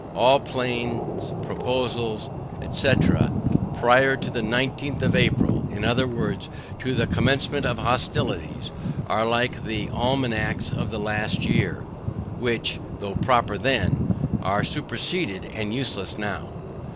All plans, proposals, &c. prior to the nineteenth of April, I. E. to the commencement of hostilities, are like the almanacks of the last year; which, though proper then, are superceded and useless now.